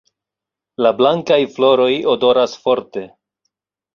La blankaj floroj odoras forte.